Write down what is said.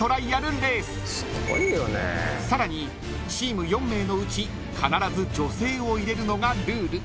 ［さらにチーム４名のうち必ず女性を入れるのがルール］